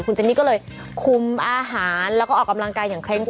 คุณเจนนี่ก็เลยคุมอาหารแล้วก็ออกกำลังกายอย่างเร่งคว